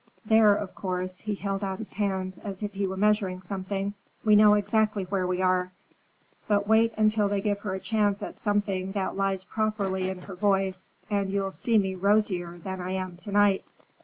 There, of course,"—he held out his hands as if he were measuring something,—"we know exactly where we are. But wait until they give her a chance at something that lies properly in her voice, and you'll see me rosier than I am to night."